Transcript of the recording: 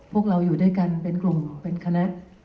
พวกเราอยู่ด้วยกันเป็นกลุ่มเป็นคณะ